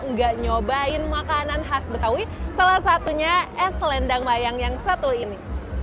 nggak nyobain makanan khas betawi salah satunya es selendang mayang yang satu ini